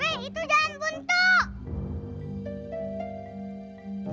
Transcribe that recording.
weh itu jalan buntu